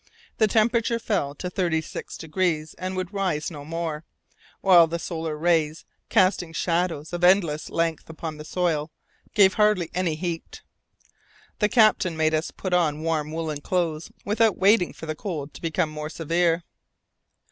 The temperature fell to 36 degrees and would rise no more, while the solar rays, casting shadows of endless length upon the soil, gave hardly any heat. The captain made us put on warm woollen clothes without waiting for the cold to become more severe.